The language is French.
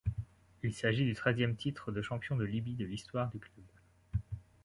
Il s'agit du treizième titre de champion de Libye de l'histoire du club.